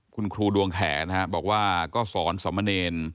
คุณครูดวงแขนบอกว่าก็สอนสมเนร